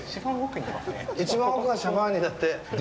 一番奥がシャバーニだって。